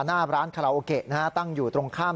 หน้าร้านคาราโอเกะตั้งอยู่ตรงข้าม